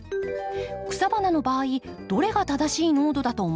草花の場合どれが正しい濃度だと思いますか？